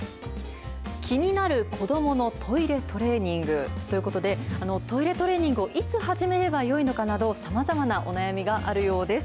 気になる子どものトイレトレーニングということで、トイレトレーニングをいつ始めればよいのかなど、さまざまなお悩みがあるようです。